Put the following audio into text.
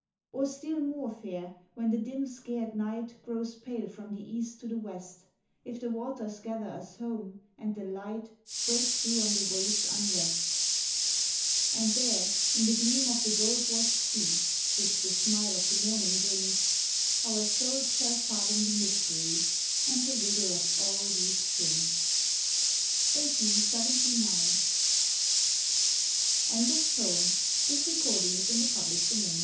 Or still more fair when the dim scared night Grows pale from the east to the west If the waters gather us home, and the light Break through on the waves' unrest, And there in the gleam of the gold washed sea, Which the smile of the morning brings, Our souls shall fathom the mystery, And the riddle of all these things. 1879. IN A CHURCH This was the first shrine lit for Queen Marie; And I will sit a little at her f